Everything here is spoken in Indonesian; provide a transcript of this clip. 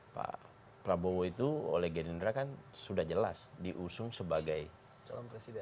pak prabowo itu oleh gerindra kan sudah jelas diusung sebagai calon presiden